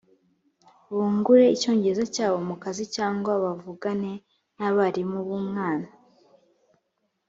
bungure icyongereza cyabo mu kazi cyangwa bavugane n abarimu b umwana